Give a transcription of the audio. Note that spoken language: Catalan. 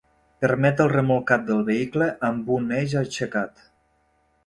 Permet el remolcat del vehicle amb un eix aixecat.